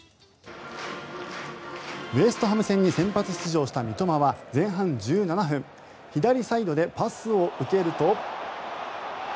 ウェストハム戦に先発出場した三笘は前半１７分左サイドでパスを受けると。